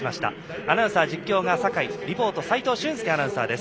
アナウンサー実況が酒井リポートは齋藤舜介アナウンサーです。